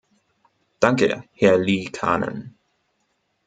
Danke, Herr Liikanen.